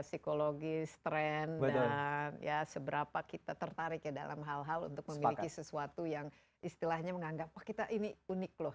psikologis tren dan ya seberapa kita tertarik ya dalam hal hal untuk memiliki sesuatu yang istilahnya menganggap wah kita ini unik loh